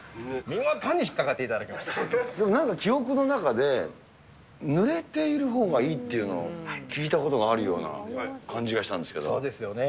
見事にひっかかっていただきでもなんか記憶の中で、ぬれているほうがいいっていうのを聞いたことがあるような感じがそうですよね。